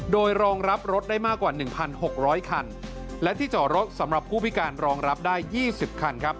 โดยรองรับรถได้มากกว่า๑๖๐๐คันและที่จอดรถสำหรับผู้พิการรองรับได้๒๐คันครับ